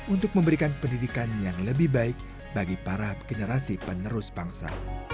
untuk memberikan pendidikan yang lebih baik bagi para generasi penerus bangsa